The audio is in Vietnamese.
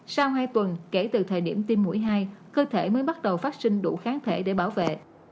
sau hai tuần kể từ thời điểm tiêm mũi hai cơ thể mới bắt đầu phát sinh đủ kháng thể để bảo vệ